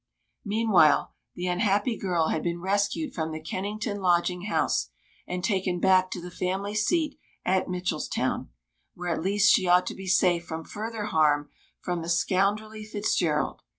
Meanwhile, the unhappy girl had been rescued from the Kennington lodging house, and taken back to the family seat at Mitchelstown, where at least she ought to be safe from further harm from the scoundrelly Fitzgerald.